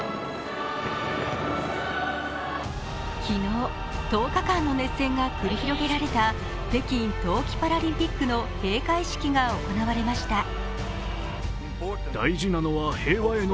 昨日、１０日間の熱戦が繰り広げられた北京冬季パラリンピックの閉会式が行われました。